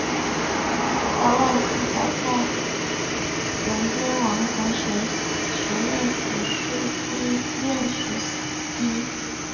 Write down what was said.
高万斯早年在伦敦国王学院附属医院学医。